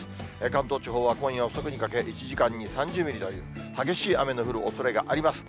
関東地方は今夜遅くにかけ、１時間に３０ミリという激しい雨の降るおそれがあります。